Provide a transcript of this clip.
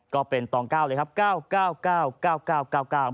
ก็เป็นต่อง๙เลยครับ